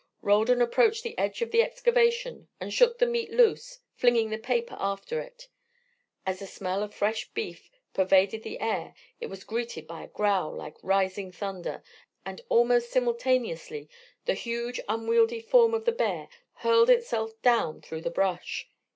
Roldan approached the edge of the excavation and shook the meat loose, flinging the paper after it. As the smell of fresh beef pervaded the air it was greeted by a growl like rising thunder, and almost simultaneously the huge unwieldy form of the bear hurled itself down through the brush.